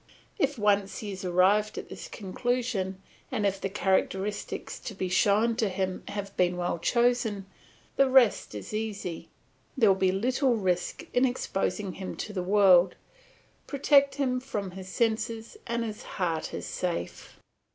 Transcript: If once he has arrived at this conclusion and if the characteristics to be shown to him have been well chosen, the rest is easy; there will be little risk in exposing him to the world; protect him from his senses, and his heart is safe.